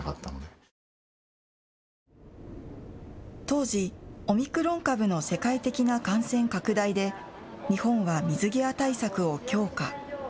当時、オミクロン株の世界的な感染拡大で日本は水際対策を強化。